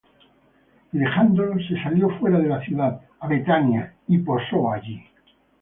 Y dejándolos, se salió fuera de la ciudad, á Bethania; y posó allí.